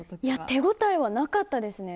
手応えはなかったですね。